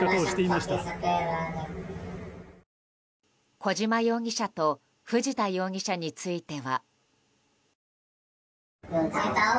小島容疑者と藤田容疑者については。